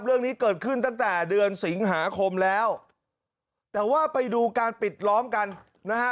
เรื่องนี้เกิดขึ้นตั้งแต่เดือนสิงหาคมแล้วแต่ว่าไปดูการปิดล้อมกันนะฮะ